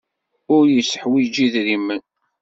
Ur yetteḥwiji idrimen.